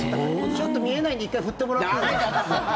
ちょっと見えないんで１回振ってもらっていいですか？